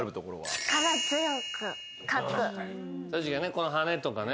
このハネとかね。